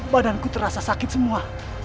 badanku terasa sakit semua